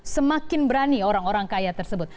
semakin berani orang orang kaya tersebut